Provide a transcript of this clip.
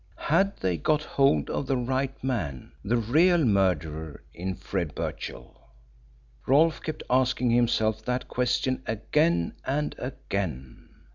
Had they got hold of the right man the real murderer in Fred Birchill? Rolfe kept asking himself that question again and again.